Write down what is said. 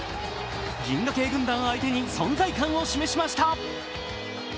銀河系軍団相手に存在感を示しました。